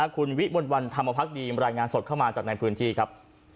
คุณวิมวลวันธรรมพักดีรายงานสดเข้ามาจากในพื้นที่ครับ